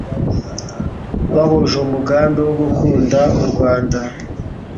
bahuje umugambi wo gukunda u Rwanda